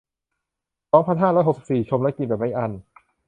สองพันห้าร้อยหกสิบสี่ ชมและกินแบบไม่อั้น